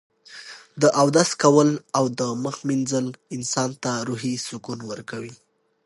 د اودس کول او د مخ مینځل انسان ته روحي سکون ورکوي.